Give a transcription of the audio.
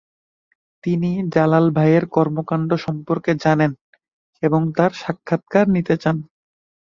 তিনি জালাল ভাইয়ের কর্মকাণ্ড সম্পর্কে জানেন এবং তাঁর সাক্ষাত্কার নিতে চান।